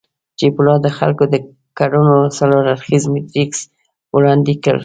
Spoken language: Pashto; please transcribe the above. چیپولا د خلکو د کړنو څلور اړخييز میټریکس وړاندې کړ.